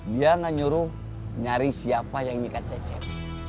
biar gak nyuruh nyari siapa yang nikah cecep